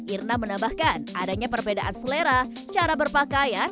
irna menambahkan adanya perbedaan selera cara berpakaian